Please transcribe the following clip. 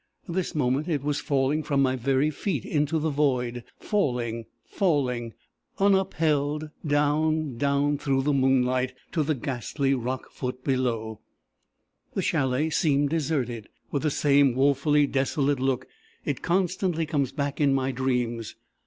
This moment it was falling from my very feet into the void falling, falling, unupheld, down, down, through the moonlight, to the ghastly rock foot below! "The chalet seemed deserted. With the same woefully desolate look, it constantly comes back in my dreams.